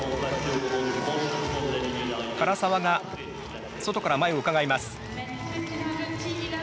唐澤が外から前をうかがいます。